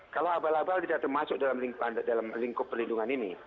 kalau abal abal tidak termasuk dalam lingkup perlindungan ini